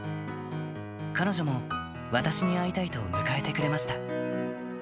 彼女も私に会いたいと迎えてくれました。